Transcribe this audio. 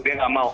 dia gak mau